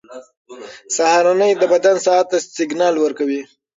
سهارنۍ د بدن ساعت ته سیګنال ورکوي.